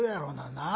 なあ。